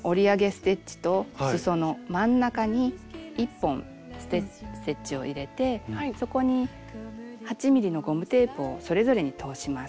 ステッチとすその真ん中に１本ステッチを入れてそこに８ｍｍのゴムテープをそれぞれに通します。